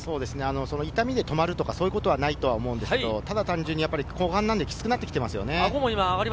痛みで止まるとか、そういうことはないと思うんですけど単純に後半なんできつくなっていますよね。